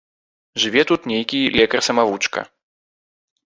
Жыве тут нейкі лекар самавучка.